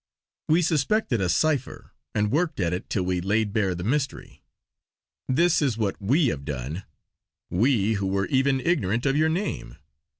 We suspected a cipher and worked at it till we laid bare the mystery. This is what we have done; we who were even ignorant of your name!